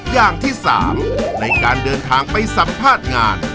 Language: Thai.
อย่างที่๓ในการเดินทางไปสัมภาษณ์งาน